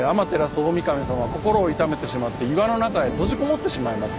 オオミカミ様は心を痛めてしまって岩の中へ閉じこもってしまいます。